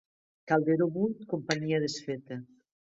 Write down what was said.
Calderó buit, companyia desfeta.